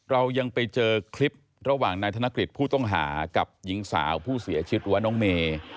เรายังไปเจอคลิประหว่างนายธนกฤษผู้ต้องหากับหญิงสาวผู้เสียชีวิตหรือว่าน้องเมย์